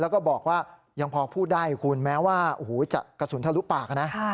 แล้วก็บอกว่ายังพอพูดได้คุณแม้ว่าจะกระสุนทะลุปากนะ